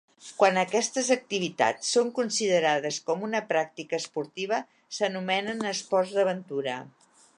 Quan aquestes activitats són considerades com una pràctica esportiva s'anomenen esports d'aventura.